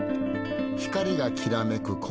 光がきらめく